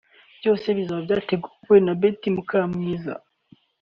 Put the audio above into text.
byose bizaba byateguwe na Betty Mukamwiza